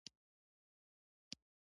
• د ورځې یخ باد د راحت احساس ورکوي.